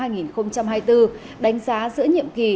đánh giá giữa nhiệm kỳ